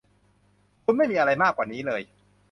คุณไม่มีอะไรมากกว่านี้เลย